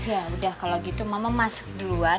ya udah kalau gitu mama masuk duluan